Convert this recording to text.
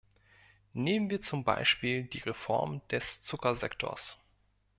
Nehmen wir zum Beispiel die Reform des Zuckersektors.